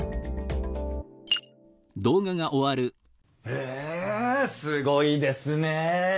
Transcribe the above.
へえすごいですねえ。